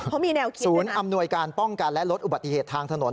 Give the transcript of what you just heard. เขามีแนวคิดศูนย์อำนวยการป้องกันและลดอุบัติเหตุทางถนน